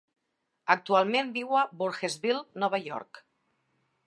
Actualment viu a Voorheesville, Nova York.